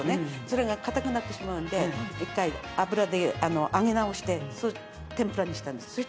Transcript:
それがかたくなってしまうんで１回油で揚げ直して天ぷらにしたんです。